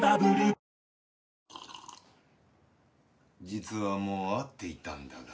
実はもう会っていたんだが。